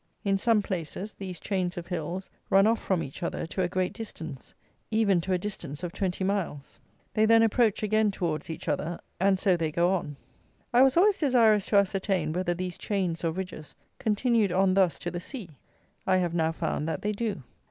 In some places, these chains of hills run off from each other to a great distance, even to a distance of twenty miles. They then approach again towards each other, and so they go on. I was always desirous to ascertain whether these chains, or ridges, continued on thus to the sea. I have now found that they do.